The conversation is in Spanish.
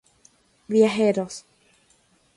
Viajeros